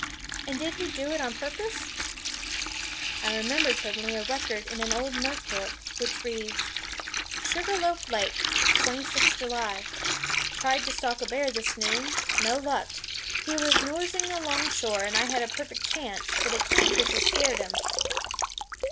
and did he do it on purpose?" I remembered suddenly a record in an old notebook, which reads: "Sugarloaf Lake, 26 July. Tried to stalk a bear this noon. No luck. He was nosing alongshore and I had a perfect chance; but a kingfisher scared him."